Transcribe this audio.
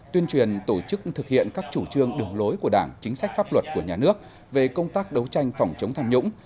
tuyên truyền tổ chức thực hiện các chủ trương đường lối của đảng chính sách pháp luật của nhà nước về công tác đấu tranh phòng chống tham nhũng